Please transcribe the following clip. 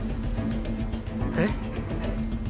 えっ？